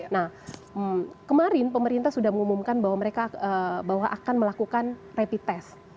nah kemarin pemerintah sudah mengumumkan bahwa mereka akan melakukan rapid test